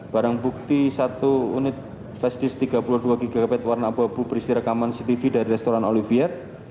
barang bukti satu unit flash disk tiga puluh dua gb warna abu abu berisi rekaman ctv dari restoran olivier